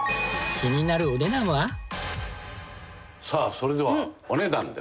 さあそれではお値段です。